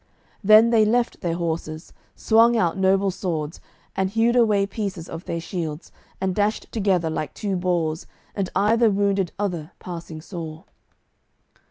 Then they left their horses, swung out noble swords, and hewed away pieces of their shields, and dashed together like two boars, and either wounded other passing sore.